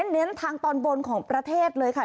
เน้นทางตอนบนของประเทศเลยค่ะ